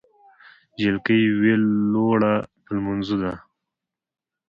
جلکۍ ویلوړه په لمونځه ده